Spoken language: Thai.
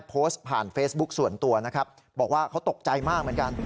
โพสต์ผ่านเฟซบุ๊คส่วนตัวนะครับบอกว่าเขาตกใจมากเหมือนกัน